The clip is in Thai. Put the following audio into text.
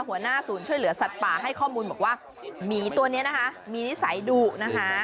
หัวหน้าศูนย์ช่วยเหลือสัตว์ป่าให้ข้อมูลบอกว่าหมีตัวนี้นะคะมีนิสัยดุนะคะ